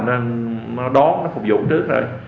nó đón nó phục vụ trước rồi